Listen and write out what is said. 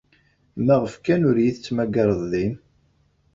Maɣef kan ur iyi-tettmagareḍ din?